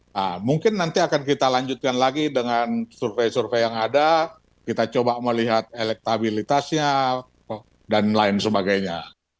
nah mungkin nanti akan kita lanjutkan lagi dengan survei survei yang ada kita coba melihat elektabilitasnya dan lain sebagainya